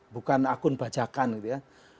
bukan akun bajakan gitu ya